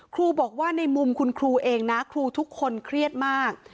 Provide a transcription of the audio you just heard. ครูบอกว่าในมุมคุณครูเองนะครูทุกคนเครียดมาก